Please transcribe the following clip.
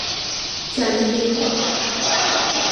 贾尼别克。